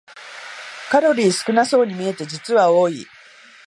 カロリー少なそうに見えて実は多い